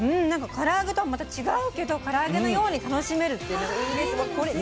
から揚げとはまた違うけどから揚げのように楽しめるってなんかいいです。